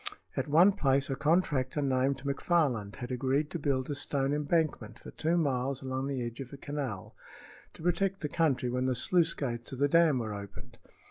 At one place a contractor named McFarland had agreed to build a stone embankment for two miles along the edge of a canal, to protect the country when the sluice gates of the dam were opened.